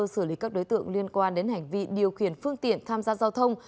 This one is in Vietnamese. xử lý các đối tượng liên quan đến hành vi điều khiển phương tiện tham gia giao thông